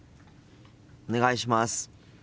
お願いします。